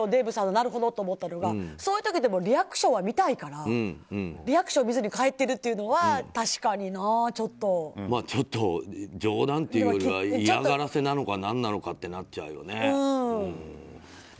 なるほどって思ったのがそういう時でもリアクションは見たいからリアクションを見ずに帰っているというのはちょっと冗談というよりは嫌がらせなのかとかなっちゃうよね。